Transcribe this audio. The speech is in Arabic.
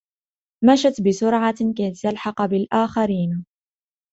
مشت بسرعة كي تلحق بالآخرين.